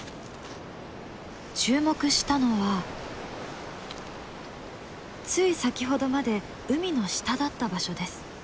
注目したのはつい先ほどまで海の下だった場所です。